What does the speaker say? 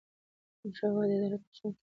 احمدشاه بابا د عدالت غوښتونکی و.